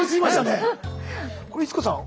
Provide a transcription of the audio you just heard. これ逸子さん